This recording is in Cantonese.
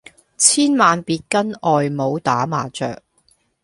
千萬別跟外母打麻將